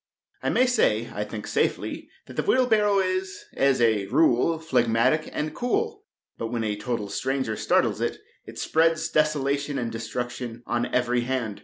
I may say, I think, safely, that the wheelbarrow is, as a rule, phlegmatic and cool; but when a total stranger startles it, it spreads desolation and destruction on every hand.